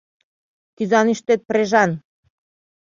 Кӱзанӱштет прежан.